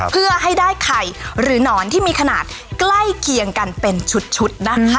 เพื่อให้ได้ไข่หรือหนอนที่มีขนาดใกล้เคียงกันเป็นชุดนะคะ